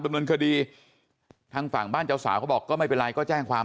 ดำเนินคดีทางฝั่งบ้านเจ้าสาวเขาบอกก็ไม่เป็นไรก็แจ้งความ